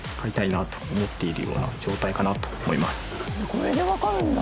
これで分かるんだ！